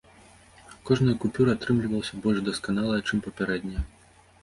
Кожная купюра атрымлівалася больш дасканалая, чым папярэдняя.